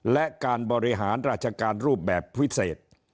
และการบริหารราชการรูปแบบพิเศษ